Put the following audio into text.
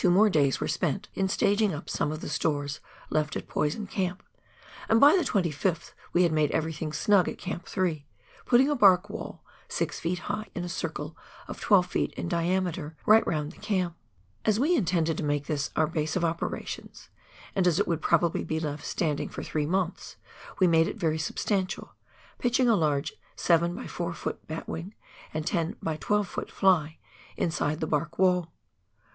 more days were spent in staging up some of the stores left at Poison Camp, and by the 25th we had made everything snug at Camp 3, putting a bark wall six feet high in a circle of twelve feet in diameter, right round the camp. As we in tended to make this our base of operations, and as it would probably be left standing for three months, we made it very substantial, pitching a large 7 by 4 ft. bat wing and 10 by 12 ft. fly inside the bark wall.